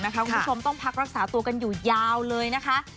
คุณผู้ชมต้องพักรักษาตัวกันอยู่ยาวเลยนะคะ